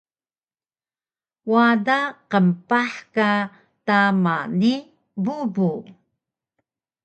Wada qmpah ka tama ni bubu